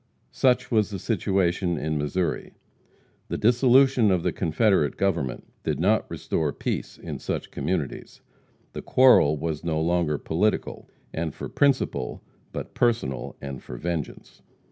Such was the situation in Missouri. The dissolution of the Confederate Government did not restore peace in such communities. The quarrel was no longer political, and for principle, but personal, and for vengeance.